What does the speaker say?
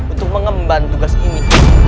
untuk mengemban tugas ini